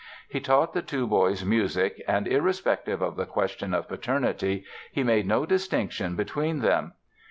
He taught the two boys music and, irrespective of the question of paternity, he made no distinction between them.